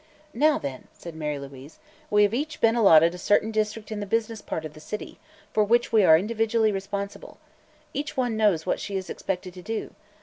"Now, then," said Mary Louise, "we have each been allotted a certain district in the business part of the city, for which we are individually responsible. Each one knows what she is expected to do.